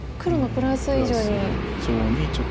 プラス以上にちょっと。